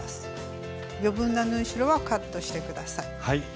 余分な縫い代はカットして下さい。